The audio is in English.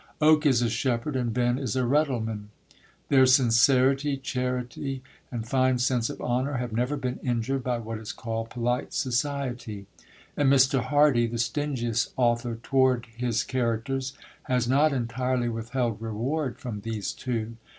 Oak is a shepherd and Venn is a reddleman; their sincerity, charity, and fine sense of honour have never been injured by what is called polite society. And Mr. Hardy, the stingiest author toward his characters, has not entirely withheld reward from these two.